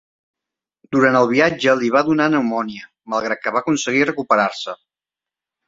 Durant el viatge li va donar pneumònia, malgrat que va aconseguir recuperar-se.